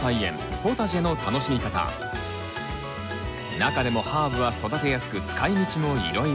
中でもハーブは育てやすく使いみちもいろいろ。